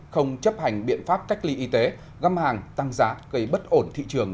không chấp hành biện pháp cách ly y tế găm hàng tăng giá gây bất ổn thị trường